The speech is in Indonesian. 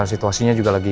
situasinya juga lagi